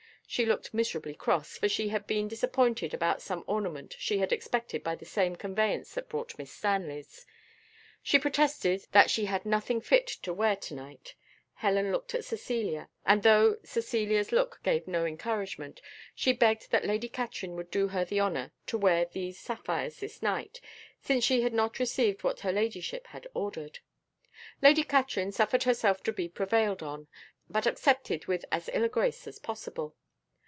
She looked miserably cross, for she had been disappointed about some ornaments she had expected by the same conveyance that brought Miss Stanley's. She protested that she had nothing fit to wear to night. Helen looked at Cecilia; and though Cecilia's look gave no encouragement, she begged that Lady Katrine would do her the honour to wear these sapphires this night, since she had not received what her ladyship had ordered. Lady Katrine suffered herself to be prevailed on, but accepted with as ill a grace as possible.